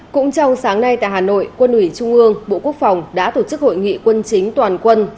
cũng trong sáng nay tại hà nội quân ủy trung ương bộ quốc phòng đã tổ chức hội nghị quân chính toàn quân